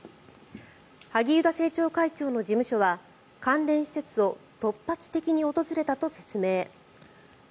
萩生田政調会長の事務所は関連施設を突発的に訪れたと説明。